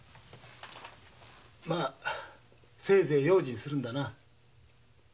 せいぜい用心するんだな。